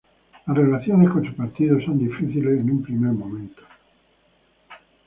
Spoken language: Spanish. Las relaciones con su partido son difíciles en un primer momento.